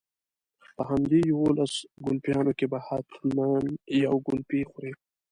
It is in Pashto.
په همدې يوولسو ګلپيانو کې به حتما يوه ګلپۍ خورې.